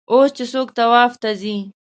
اوس چې څوک طواف ته ځي.